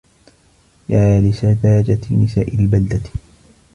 يا لسذاجة نساء البلدة.